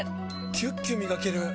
キュッキュ磨ける！